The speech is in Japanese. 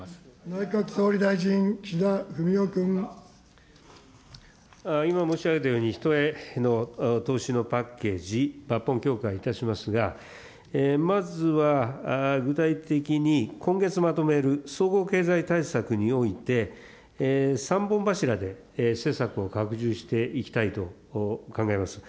内閣総理大臣、今申し上げたように、人への投資のパッケージ、抜本強化いたしますが、まずは具体的に、今月まとめる、総合経済対策において、３本柱で施策を拡充していきたいと考えます。